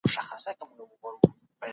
انلاين کورسونه انعطاف لرونکی مهالوېش لري.